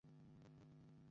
আপনার প্রথম বাক্য কী হবে?